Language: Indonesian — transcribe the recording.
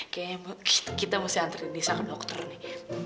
kayaknya kita mesti antri nisa ke dokter nih